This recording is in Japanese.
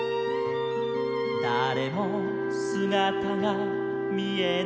「だれもすがたがみえないよ」